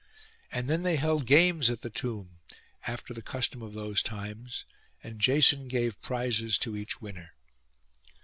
And then they held games at the tomb, after the custom of those times, and Jason gave prizes to each winner.